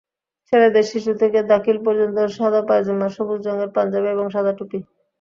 ছেলেদের শিশু থেকে দাখিল পর্যন্ত সাদা পায়জামা, সবুজ রঙের পাঞ্জাবি এবং সাদা টুপি।